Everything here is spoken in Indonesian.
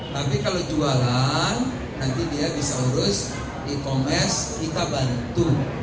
tapi kalau jualan nanti dia bisa urus e commerce kita bantu